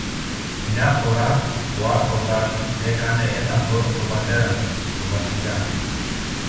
Μια φορά ο Άρχοντας σου έκανε ένα δώρο στον πατέρα μου, το Βασιλιά.